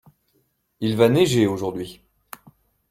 Il va neiger aujourd’hui.